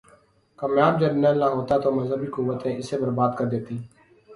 کامیاب جرنیل نہ ہوتا تو مذہبی قوتیں اسے برباد کر دیتیں۔